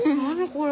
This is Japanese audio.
これ。